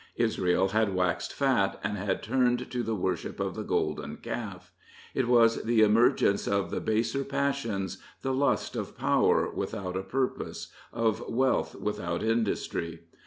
Israel had waxed fat, and had turned to the worship of the golden calf. It was the emergence of the baser passions, the lust of power without a purpose, of wealth without industry.